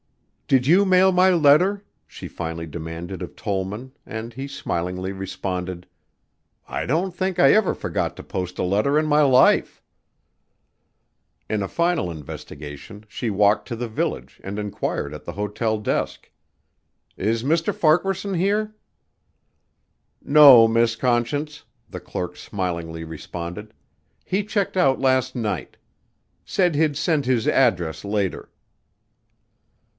"Did you mail my letter?" she finally demanded of Tollman, and he smilingly responded. "I don't think I ever forgot to post a letter in my life." In a final investigation she walked to the village and inquired at the hotel desk, "Is Mr. Farquaharson here?" "No, Miss Conscience," the clerk smilingly responded, "he checked out last night. Said he'd send his address later."